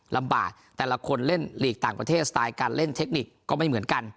ลำบากแต่ละคนเล่นหลีกต่างประเทศสไตล์การเล่นเทคนิคก็ไม่เหมือนกัน